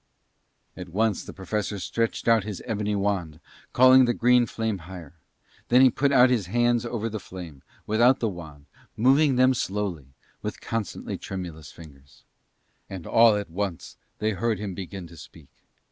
At once the Professor stretched out his ebony wand, calling the green flame higher. Then he put out his hands over the flame, without the wand, moving them slowly with constantly tremulous fingers. And all at once they heard him begin to speak.